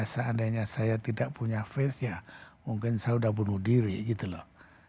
seandainya saya tidak punya face ya mungkin saya sudah bunuh diri gitu loh